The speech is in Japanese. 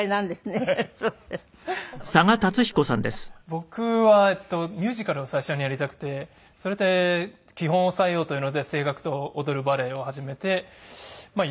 僕はミュージカルを最初にやりたくてそれで基本を押さえようというので声楽と踊るバレエを始めてまあ